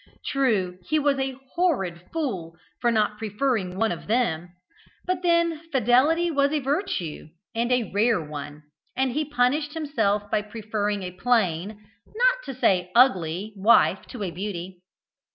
True, he was a horrid fool for not preferring one of them; but then fidelity was a virtue, and a rare one, and he punished himself by preferring a plain not to say ugly wife to a beauty.